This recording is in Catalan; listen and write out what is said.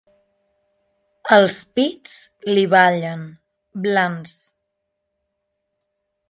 Els pits li ballen, blans.